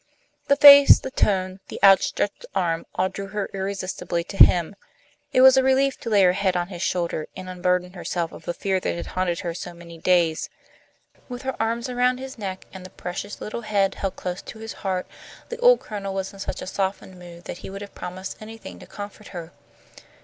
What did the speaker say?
The face, the tone, the outstretched arm, all drew her irresistibly to him. It was a relief to lay her head on his shoulder, and unburden herself of the fear that had haunted her so many days. With her arms around his neck, and the precious little head held close to his heart, the old Colonel was in such a softened mood that he would have promised anything to comfort her.